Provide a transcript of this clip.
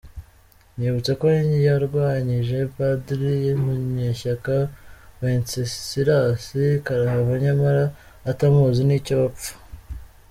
Nibutse ko yarwanyije Padri Munyeshyaka Wencesilasi karahava nyamara atamuzi ntacyo bapfa.